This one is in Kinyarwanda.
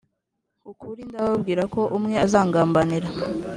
ukuri ndababwira ko umwe azangambanira